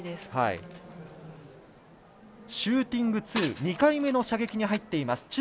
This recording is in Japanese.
シューティング２２回目の射撃に入っています。